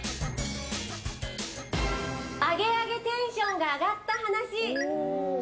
アゲアゲテンションが上がった話。